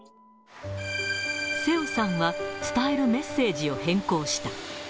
瀬尾さんは伝えるメッセージを変更した。